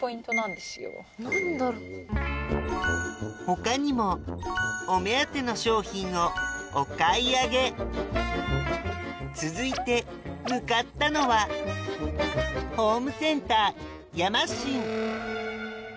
他にもお目当ての商品をお買い上げ続いて向かったのはホームセンター山新